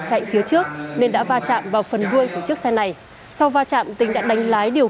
chạy phía trước nên đã va chạm vào phần đuôi của chiếc xe này sau va chạm tính đã đánh lái điều